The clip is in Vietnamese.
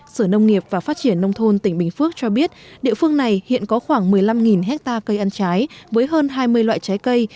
sở nông nghiệp và phát triển nông thôn tỉnh bình phước cho biết địa phương này hiện có khoảng một mươi năm hectare cây ăn trái với hơn hai mươi loại trái cây